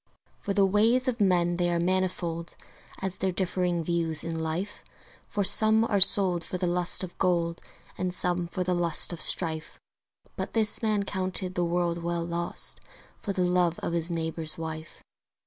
For the ways of men they are manifold As their differing views in life; For some are sold for the lust of gold And some for the lust of strife: But this man counted the world well lost For the love of his neighbour's wife.